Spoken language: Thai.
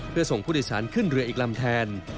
เพื่อส่งผู้โดยสารขึ้นเรืออีกลำแทน